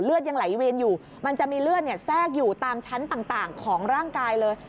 ยังไหลเวียนอยู่มันจะมีเลือดแทรกอยู่ตามชั้นต่างของร่างกายเลย